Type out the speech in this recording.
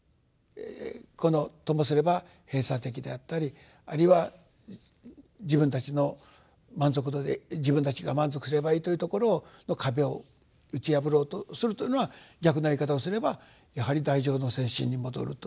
このともすれば閉鎖的であったりあるいは自分たちの満足度で自分たちが満足すればいいというところの壁を打ち破ろうとするというのは逆な言い方をすればやはり大乗の精神に戻るという。